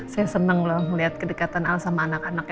saya senang loh ngeliat kedekatan al sama anak anaknya